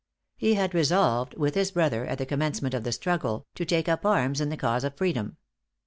He had resolved, with his brother, at the commencement of the struggle, to take up arms in the cause of freedom.